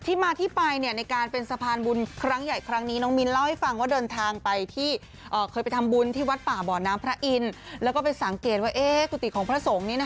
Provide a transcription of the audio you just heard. ที่มาที่ไปเนี่ยในการเป็นสะพานบุญครั้งใหญ่ครั้งนี้น้องมีนเล่า